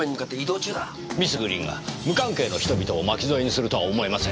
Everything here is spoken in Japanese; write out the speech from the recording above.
ミス・グリーンが無関係の人々を巻き添えにするとは思えません。